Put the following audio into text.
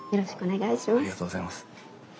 ありがとうございます。